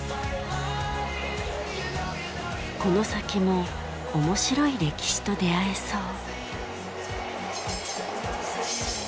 この先も面白い歴史と出会えそう。